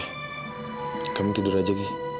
tidak kamu tidur aja